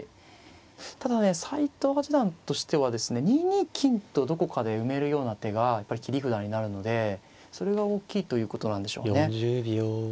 ２二金とどこかで埋めるような手がやっぱり切り札になるのでそれが大きいということなんでしょうね。